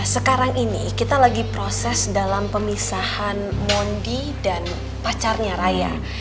sekarang ini kita lagi proses dalam pemisahan mondi dan pacarnya raya